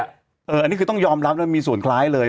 อันนี้คือต้องยอมรับแล้วมีส่วนคล้ายเลย